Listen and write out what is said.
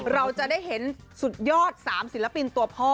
เราจะได้เห็นสุดยอด๓ศิลปินตัวพ่อ